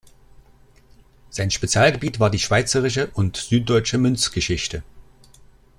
Sein Spezialgebiet war die schweizerische und süddeutsche Münzgeschichte.